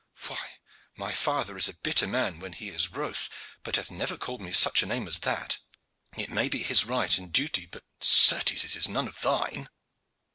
Why, my father is a bitter man when he is wroth, but hath never called me such a name as that. It may be his right and duty, but certes it is none of thine.